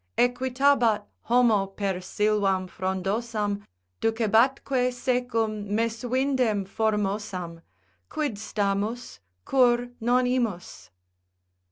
Equitabat homo per sylvam frondosam, Ducebatque secum Meswinden formosam. Quid stamus, cur non imus?